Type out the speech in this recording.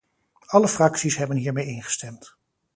Alle fracties hebben hiermee ingestemd.